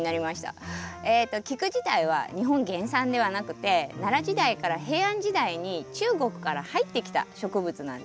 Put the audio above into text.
えとキク自体は日本原産ではなくて奈良時代から平安時代に中国から入ってきた植物なんですね。